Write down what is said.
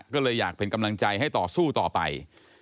ก็เลยอยากเป็นกำลังใจให้ต่อสู้ต่อไป